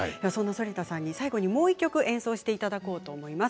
反田さんにもう１曲演奏していただこうと思います。